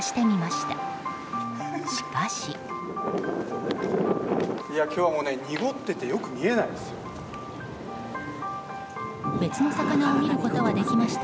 しかし。今日はもう、濁っていてよく見えないです。